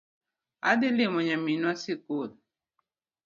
Adhi limo nyaminwa sikul